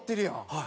はい。